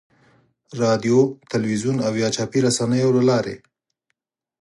رادیو، تلویزیون او یا چاپي رسنیو له لارې.